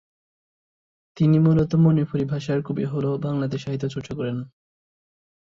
তিনি মূলত মণিপুরী ভাষার কবি হলেও বাংলাতে সাহিত্য চর্চা করেন।